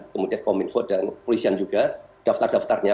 kemudian kominfo dan polisian juga daftar daftarnya